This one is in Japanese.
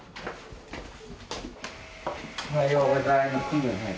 おはようございます。